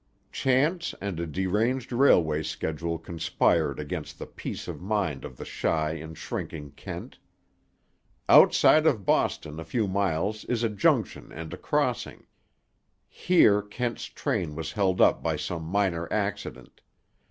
Chance and a deranged railway schedule conspired against the peace of mind of the shy and shrinking Kent. Outside of Boston a few miles is a junction and a crossing. Here Kent's train was held up by some minor accident.